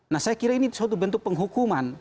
nah saya kira ini suatu bentuk penghukuman